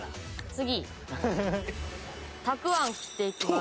次たくあん切っていきます。